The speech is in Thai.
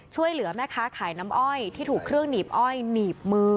ช่วยเหลือแม่ค้าขายน้ำอ้อยที่ถูกเครื่องหนีบอ้อยหนีบมือ